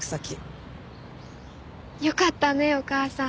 よかったねお母さん。